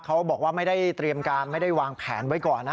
เขาบอกว่าไม่ได้เตรียมการไม่ได้วางแผนไว้ก่อนนะ